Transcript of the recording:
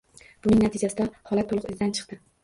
Buning natijasida holat to‘liq izidan chiqdi.